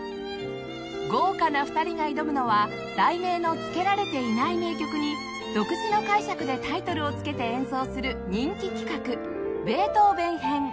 豪華な２人が挑むのは題名のつけられていない名曲に独自の解釈でタイトルをつけて演奏する人気企画ベートーヴェン編